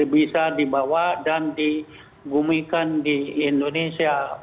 bisa dibawa dan digumikan di indonesia